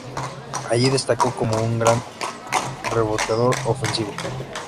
Allí destacó como un gran reboteador ofensivo.